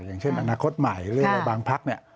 อย่างเช่นอนาคตใหม่หรือบางพัก